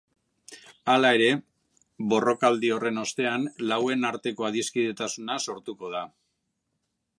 Halere, borrokaldi horren ostean, lauen arteko adiskidetasuna sortuko da.